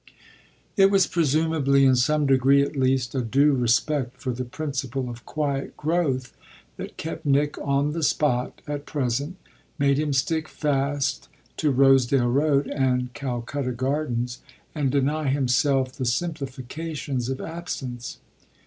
It was presumably in some degree at least a due respect for the principle of quiet growth that kept Nick on the spot at present, made him stick fast to Rosedale Road and Calcutta Gardens and deny himself the simplifications of absence.